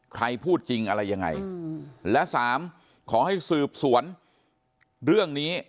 ใครพูดจริงอะไรยังไงและสามขอให้สืบสวนเรื่องนี้